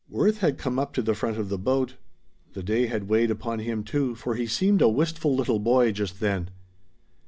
Worth had come up to the front of the boat. The day had weighed upon him too, for he seemed a wistful little boy just then.